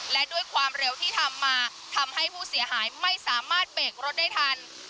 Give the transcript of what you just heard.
และด้วยความเร็วที่ทำมาทำให้ผู้เสียหายไม่สามารถเบรกรถได้ทัน